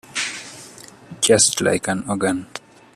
Just like an organ.